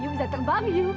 bentar lagi bisa terbang yuk